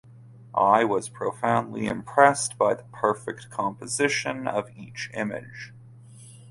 I was profoundly impressed by the perfect composition of each image.